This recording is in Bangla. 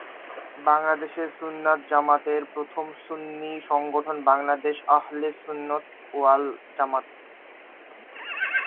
বাংলাদেশে সুন্নাত জামাতের প্রথম সুন্নী সংগঠন বাংলাদেশ আহলে সুন্নাত ওয়াল জামাত।